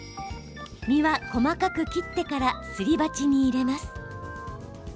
身は、細かく切ってからすり鉢に入れます。